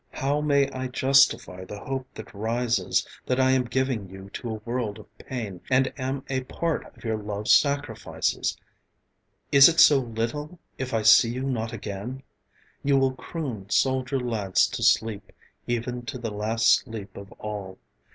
How may I justify the hope that rises That I am giving you to a world of pain, And am a part of your love's sacrifices? Is it so little if I see you not again? You will croon soldier lads to sleep, Even to the last sleep of all.